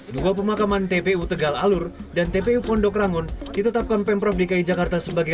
dua pemakaman tpu tegal alur dan tpu pondok rangon ditetapkan pemprov dki jakarta sebagai